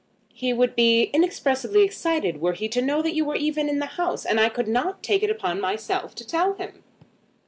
"He would be inexpressibly excited were he to know that you were even in the house. And I could not take it upon myself to tell him."